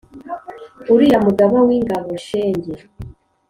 uriya mugaba w'ingaboshenge